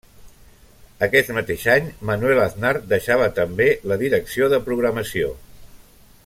Aquest mateix any, Manuel Aznar deixava també la direcció de programació.